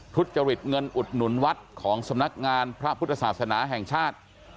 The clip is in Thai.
ทุจริตเงินอุดหนุนวัดของสำนักงานพระพุทธศาสนาแห่งชาติ